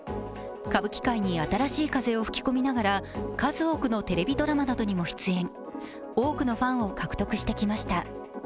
歌舞伎界に新しい風を吹き込みながら数多くのテレビドラマなどにも出演、多くのファンを獲得してきました。